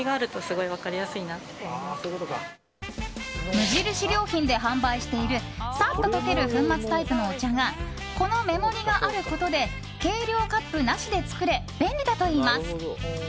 無印良品で販売しているさっと溶ける粉末タイプのお茶がこの目盛りがあることで計量カップなしで作れ便利だといいます。